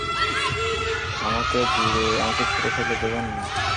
আমাকে ছুড়ে ফেলে দেবেন না।